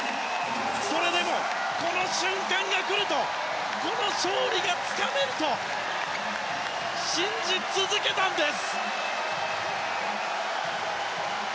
それでも、この瞬間が来るとこの勝利がつかめると信じ続けたんです！